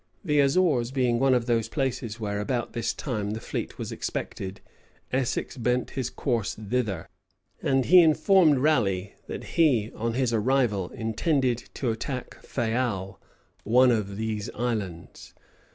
The Azores being one of these places where about this time the fleet was expected, Essex bent his course thither; and he informed Raleigh, that he, on his arrival, intended to attack Fayal, one of these islands.